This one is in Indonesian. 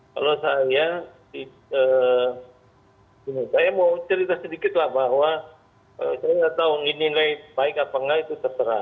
kalau saya saya mau cerita sedikit lah bahwa saya nggak tahu ini nilai baik apa enggak itu tertera